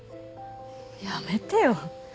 やめてよ。